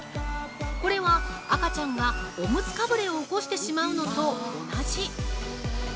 これは、赤ちゃんがおむつかぶれを起こしてしまうのと同じ。